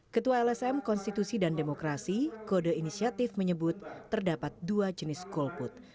ketua lsm konstitusi dan demokrasi kode inisiatif menyebut terdapat dua jenis golput